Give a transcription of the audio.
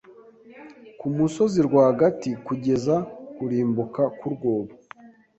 kumusozi rwagati kugeza kurimbuka kurwobo